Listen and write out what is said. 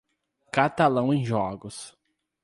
Catalão em jogos.